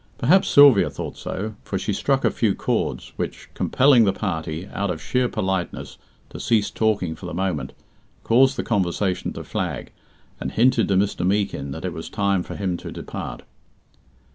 Perhaps Sylvia thought so, for she struck a few chords, which, compelling the party, out of sheer politeness, to cease talking for the moment, caused the conversation to flag, and hinted to Mr. Meekin that it was time for him to depart.